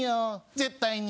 絶対に。